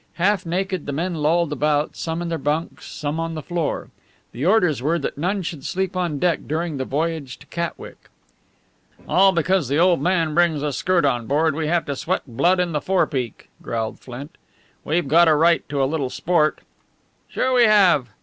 Half naked, the men lolled about, some in their bunks, some on the floor. The orders were that none should sleep on deck during the voyage to the Catwick. "All because the old man brings a skirt on board, we have to sweat blood in the forepeak!" growled Flint. "We've got a right to a little sport." "Sure we have!"